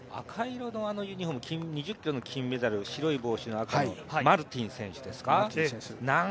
赤色のユニフォーム２０ｋｍの金メダル白い帽子のマルティン選手ですか。